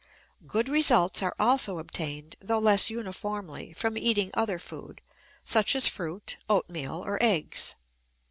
Good results are also obtained, though less uniformly, from eating other food, such as fruit, oatmeal, or eggs.